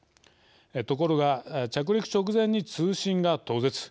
ところが着陸直前に通信が途絶。